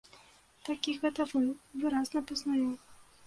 Такі гэта вы, выразна пазнаю.